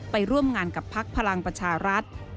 ไปร่วมงานกับพักพลังประชารัฐ